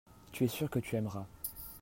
tu es sûr que tu aimeras.